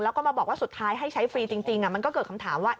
แล้วก็มาบอกว่าสุดท้ายให้ใช้ฟรีจริงมันก็เกิดคำถามว่า